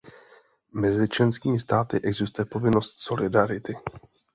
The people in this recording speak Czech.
Mezi členskými státy existuje povinnost solidarity.